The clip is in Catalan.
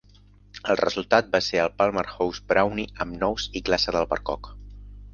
El resultat va ser el Palmer House Brownie amb nous i glaça d'albercoc.